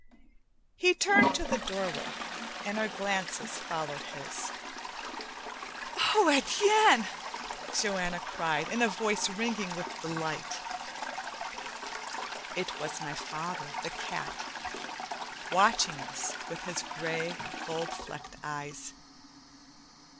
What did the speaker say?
He turned to the doorway, and our glances followed his. "Oh, Etienne!" Joanna cried, in a voice ringing with delight. It was my father, the cat, watching us with his gray, gold flecked eyes.